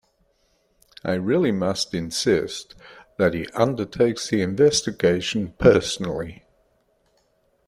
I really must insist that he undertakes the investigation personally.